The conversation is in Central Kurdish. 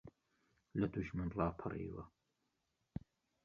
لە دوژمن ڕاپەڕیوە